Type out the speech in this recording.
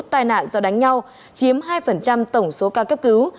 tai nạn do đánh nhau chiếm hai tổng số ca cấp cứu